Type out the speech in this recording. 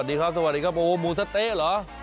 สวัสดีครับสวัสดีครับสวัสดีครับโอ้หมูสะเต๊ะเหรอ